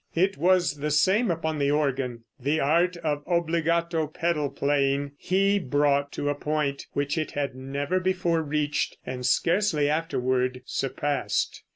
It was the same upon the organ. The art of obligato pedal playing he brought to a point which it had never before reached and scarcely afterward surpassed.